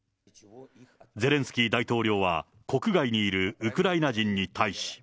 ゼレンスキー大統領は国外にいるウクライナ人に対し。